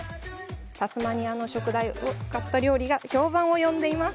タスマニアの食材を使った料理が評判を呼んでいます。